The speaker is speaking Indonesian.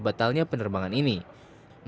karena penumpang ini tidak bisa dikirimkan